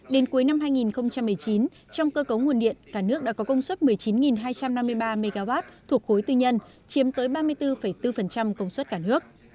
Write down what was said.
đến cuối năm hai nghìn một mươi chín trong cơ cấu nguồn điện cả nước đã có công suất một mươi chín hai trăm năm mươi ba mw thuộc khối tư nhân chiếm tới ba mươi bốn bốn công suất cả nước